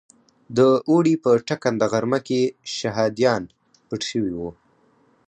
د اوړي په ټکنده غرمه کې شهادیان پټ شوي وو.